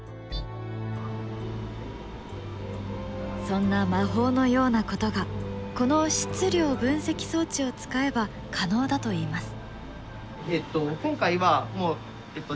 そんな魔法のようなことがこの質量分析装置を使えば可能だといいます。